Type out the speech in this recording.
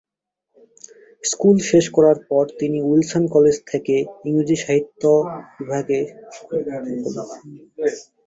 School শেষ করার পরে তিনি উইলসন কলেজ থেকে ইংরেজি সাহিত্য বিভাগ হতে স্নাতক সম্পন্ন করেছেন।